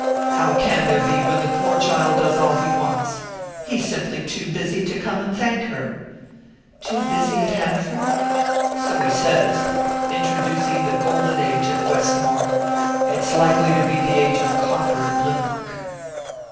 "How can there be, when the poor child does all he wants? He's simply too busy to come and thank her!" "Too busy at Hanaford?" "So he says. Introducing the golden age at Westmore it's likely to be the age of copper at Lynbrook."